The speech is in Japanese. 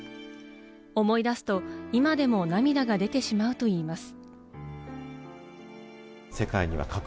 思い出すと今でも涙が出てしまうといいます。